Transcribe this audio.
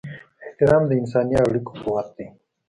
احترام د انساني اړیکو قوت دی.